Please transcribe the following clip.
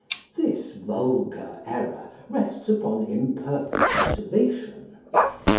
This vulgar error rests upon imperfect observation.